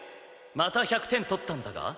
また１００点取ったんだが。